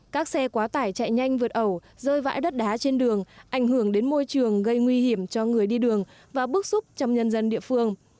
các xe quá tải chạy nhanh vượt ẩu rơi vãi đất đá trên đường ảnh hưởng đến môi trường gây nguy hiểm cho người đi đường và bức xúc trong nhân dân địa phương